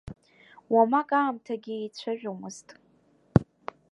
Уамак аамҭагьы еицәажәомызт.